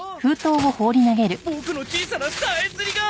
ボクの小さなさえずりが！